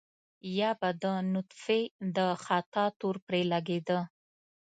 يا به د نطفې د خطا تور پرې لګېده.